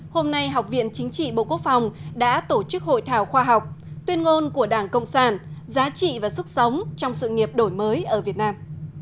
hôm nay học viện chính trị bộ quốc phòng đã tổ chức hội thảo khoa học tuyên ngôn của đảng cộng sản giá trị và sức sống trong sự nghiệp đổi mới ở việt nam